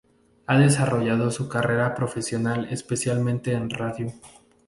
Ha desarrollado su carrera profesional especialmente en radio.